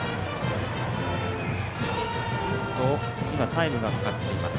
タイムがかかっています。